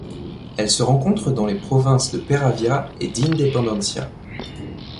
Elle se rencontre dans les provinces de Peravia et d'Independencia.